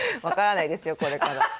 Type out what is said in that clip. わからないですよこれから。